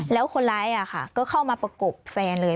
แล้วคนร้ายก็เข้ามาประกบแฟนเลย